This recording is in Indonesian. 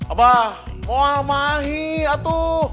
abah mau mahi aduh